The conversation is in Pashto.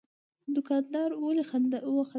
دوکاندار ولي وخندل؟